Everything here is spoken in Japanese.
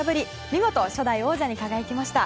見事、初代王者に輝きました。